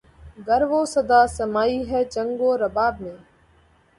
گر وہ صدا سمائی ہے چنگ و رباب میں